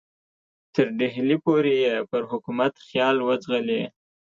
تر ډهلي پورې یې پر حکومت خیال وځغلي.